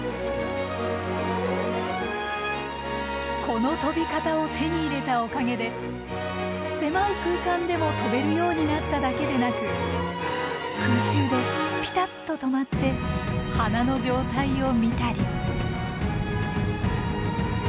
この飛び方を手に入れたおかげで狭い空間でも飛べるようになっただけでなく空中でピタッと止まって花の状態を見たり。